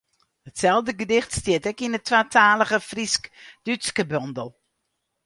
Itselde gedicht stiet ek yn de twatalige Frysk-Dútske bondel.